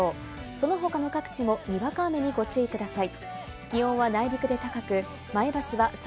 その他の各地もにわか雨にご注意ください。